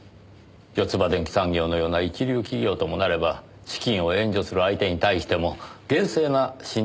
ヨツバ電機産業のような一流企業ともなれば資金を援助する相手に対しても厳正な身体検査が必要でしょう。